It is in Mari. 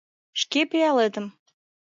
Шке пиалетым!